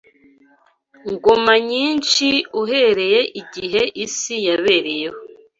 ngoma nyinshi uhereye igihe isi yabereyeho